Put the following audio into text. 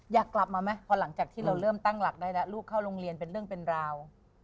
อยากกลับมาไหมพอหลังจากที่เราเริ่มตั้งหลักได้แล้วลูกเข้าโรงเรียนเป็นเรื่องเป็นราว